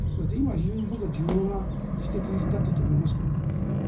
今、非常に僕は重要な指摘だったと思いますね。